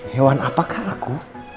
hewan apakah raku